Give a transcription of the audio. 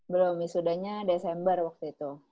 belum wisudanya desember waktu itu